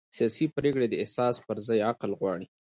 سیاسي پرېکړې د احساس پر ځای عقل غواړي